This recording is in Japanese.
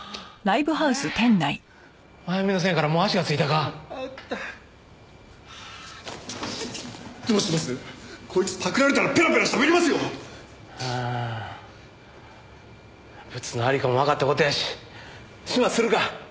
ブツのありかもわかった事やし始末するか。